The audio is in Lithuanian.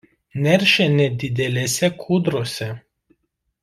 Neršia nedidelėse kūdrose.